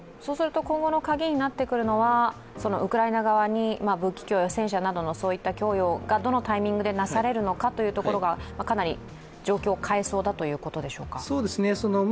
今後のカギになってくるのはウクライナ側に武器供与、戦車などのそういった供与がどのタイミングでなされるのかというところがかなり状況を変えそうだということでしょうか？